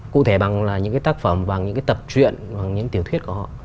cụ thể bằng là những cái tác phẩm bằng những cái tập truyện bằng những tiểu thuyết của họ